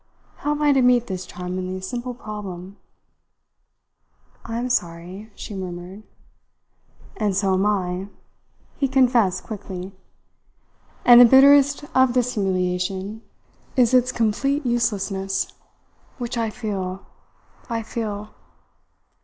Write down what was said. "How am I to meet this charmingly simple problem?" "I am sorry," she murmured. "And so am I," he confessed quickly. "And the bitterest of this humiliation is its complete uselessness which I feel, I feel!"